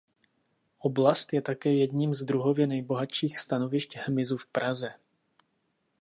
Oblast je také jedním z druhově nejbohatších stanovišť hmyzu v Praze.